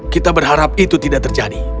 kita berharap itu tidak terjadi